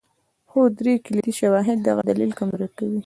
خو درې کلیدي شواهد دغه دلیل کمزوری کوي.